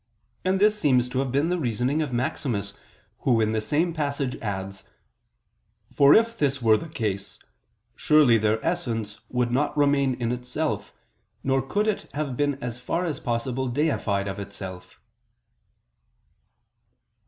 And this seems to have been the reasoning of Maximus, who in the same passage adds: "For if this were the case, surely their essence would not remain in itself, nor could it have been as far as possible deified of itself."